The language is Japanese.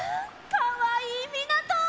かわいいみなと！